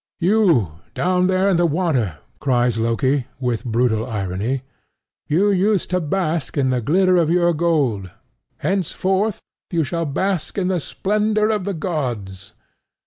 "You down there in the water," cries Loki with brutal irony: "you used to bask in the glitter of your gold: henceforth you shall bask in the splendor of the gods."